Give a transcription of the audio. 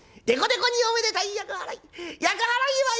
でこでこにおめでたい厄払い。